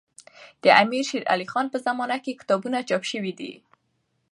د امير شېر علي خان په زمانه کي کتابونه چاپ سوي دي.